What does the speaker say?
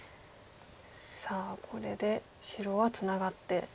さあこれで白はツナがって。